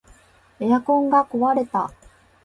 エアコンが壊れた